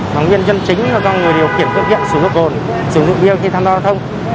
nó nguyên nhân chính là do người điều khiển cơ kiện sử dụng giao thông sử dụng giao thông khi tham gia giao thông